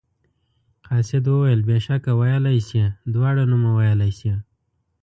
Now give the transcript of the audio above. قاصد وویل بېشکه ویلی شي دواړه نومه ویلی شي.